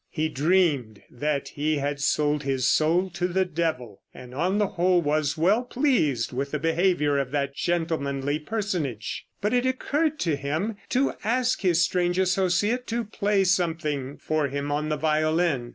He dreamed that he had sold his soul to the devil, and on the whole was well pleased with the behavior of that gentlemanly personage. But it occurred to him to ask his strange associate to play something for him on the violin.